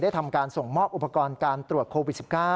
ทำการส่งมอบอุปกรณ์การตรวจโควิด๑๙